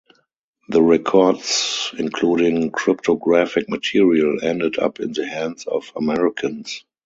The records, including cryptographic material, ended up in the hands of Americans.